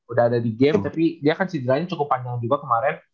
udah ada di game tapi dia kan cederanya cukup panjang juga kemarin